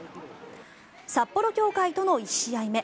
札幌協会との１試合目。